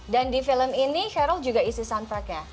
dan di film ini cheryl juga isi soundtrack ya